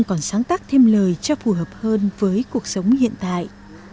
còn sáng tác thêm lời cho phù hợp hơn với cuộc sống hiện tại